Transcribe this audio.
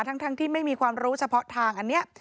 ทั้งที่ไม่มีความรู้เฉพาะทางอันนี้